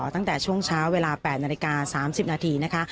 ตั้งแต่ช่วงเช้าเวลาแปดนาฬิกาสามสิบนาทีนะคะ